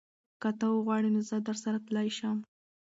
که ته وغواړې نو زه درسره تلی شم.